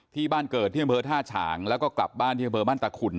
ที่บ้านเกิดที่อำเภอท่าฉางแล้วก็กลับบ้านที่อำเภอบ้านตะขุน